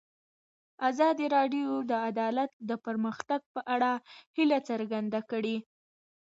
ازادي راډیو د عدالت د پرمختګ په اړه هیله څرګنده کړې.